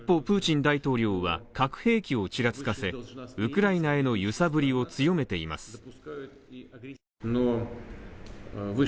プーチン大統領は核兵器をちらつかせウクライナへの揺さぶりを強めています。